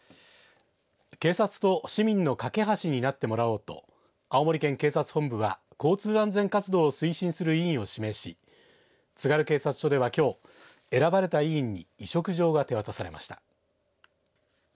警察と市民の懸け橋になってもらおうと青森県警察本部は交通安全活動を推進する委員を指名しつがる警察署ではきょう選ばれた委員に委嘱状が手渡されました。